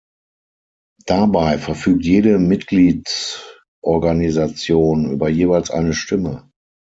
Dabei verfügt jede Mitgliedsorganisation über jeweils eine Stimme.